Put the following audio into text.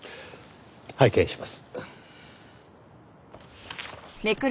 拝見します。